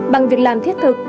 bằng việc làm thiết thực